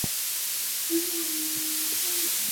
但这个记载却与下列朱点人的短篇小说作品有出入。